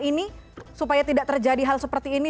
ini supaya tidak terjadi hal seperti ini